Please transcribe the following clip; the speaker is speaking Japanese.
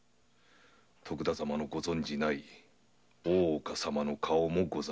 徳田様のご存じない大岡様の顔もございます。